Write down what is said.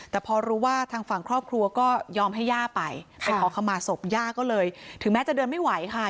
แต่พอรู้ว่าทางฝั่งครอบครัวก็ยอมให้ย่าไปไปขอขมาศพย่าก็เลยถึงแม้จะเดินไม่ไหวค่ะ